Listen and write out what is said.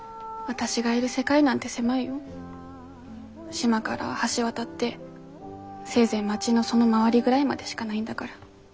島から橋渡ってせいぜい町のその周りぐらいまでしかないんだから。